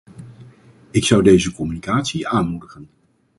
Ik zou deze communicatie aanmoedigen.